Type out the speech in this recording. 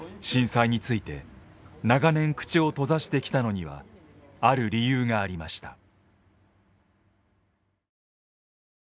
震災について長年口を閉ざしてきたのにはある理由がありました。